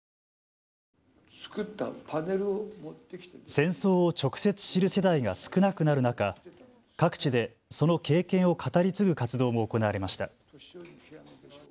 戦争を直接知る世代が少なくなる中、各地でその経験を語り継ぐ活動も行われました。